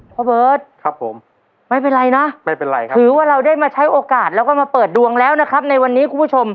พ่อเบิร์ตไม่เป็นไรนะคือว่าเราได้มาใช้โอกาสแล้วก็มาเปิดดวงแล้วนะครับในวันนี้คุณผู้ชม